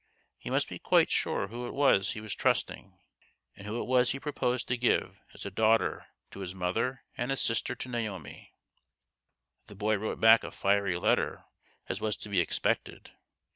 He must be quite sure who it was he was trusting, and who it was he proposed to give as a daughter to his mother and a sister to Naomi. The boy wrote back a fiery letter, as was to be expected.